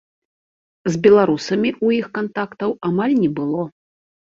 З беларусамі ў іх кантактаў амаль не было.